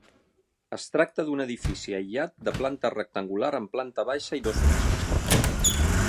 Es tracta d'un edifici aïllat de planta rectangular, amb planta baixa i dos pisos.